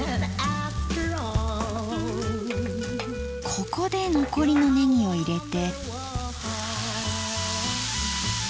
ここで残りのねぎを入れて。